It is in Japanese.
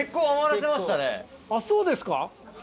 あっそうですか？